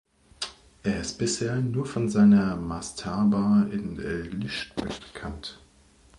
Er ist bisher nur von seiner Mastaba in el-Lischt bekannt.